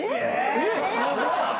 ・えっすごい！